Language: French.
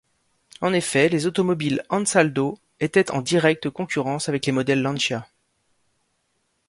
En effet, les automobiles Ansaldo étaient en directe concurrence avec les modèles Lancia.